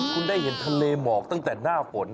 คุณได้เห็นทะเลหมอกตั้งแต่หน้าฝน